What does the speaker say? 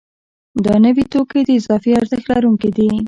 دا نوي توکي د اضافي ارزښت لرونکي دي